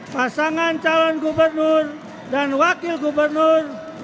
pasangan calon gubernur dan wakil gubernur